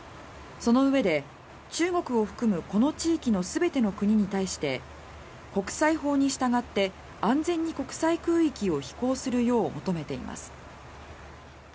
そのうえで、中国を含むこの地域の全ての国に対して国際法に従って安全に国際空域を飛行するよう求めています。